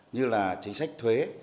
như là chính sách thuế